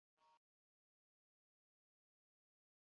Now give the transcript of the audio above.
灰狐是岛屿灰狐的祖先。